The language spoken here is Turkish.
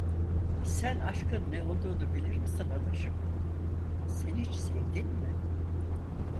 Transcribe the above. Sen aşkın ne olduğunu bilir misin adaşım, sen hiç sevdin mi?